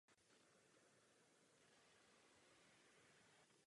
Rostl počet literárních děl a vydávaných novin.